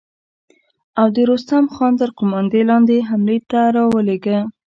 او د رستم خان تر قوماندې لاندې يې حملې ته را ولېږه.